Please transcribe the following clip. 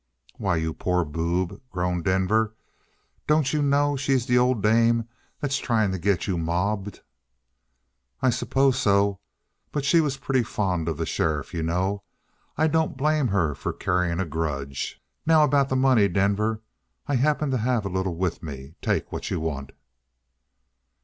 "Why, you poor boob," groaned Denver, "don't you know she's the old dame that's trying to get you mobbed?" "I suppose so. But she was pretty fond of the sheriff, you know. I don't blame her for carrying a grudge. Now, about the money, Denver; I happen to have a little with me. Take what you want."